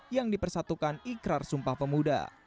yang dipersatukan ikrar sumpah pemuda